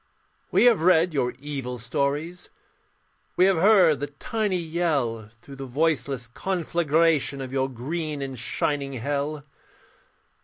We have read your evil stories, We have heard the tiny yell Through the voiceless conflagration Of your green and shining hell.